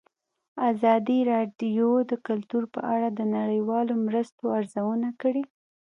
ازادي راډیو د کلتور په اړه د نړیوالو مرستو ارزونه کړې.